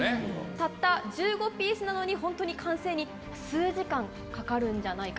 たった１５ピースなのに完成に数時間かかるんじゃないかと。